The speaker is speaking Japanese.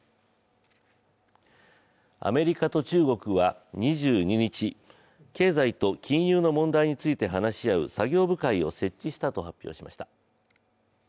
アメリカと中国は２２日経済と金融の問題について話し合う作業部会を設置したと発表しました。